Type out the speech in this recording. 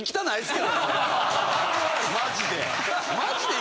マジで。